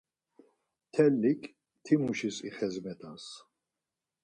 Tellik timuşis ixezmet̆az.